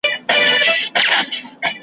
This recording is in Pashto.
زه د پي ټي ایم غړی نه یم .